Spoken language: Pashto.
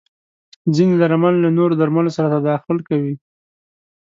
ځینې درمل له نورو درملو سره تداخل کوي.